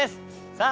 さあ